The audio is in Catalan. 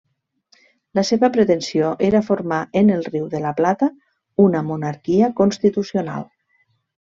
La seva pretensió era formar en el Riu de la Plata una monarquia constitucional.